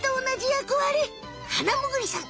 ハナムグリさん